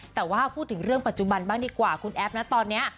แต่ว่าพูดถึงเรื่องปัจจุบันบ้างดีกว่าคุณแอฟนะตอนนี้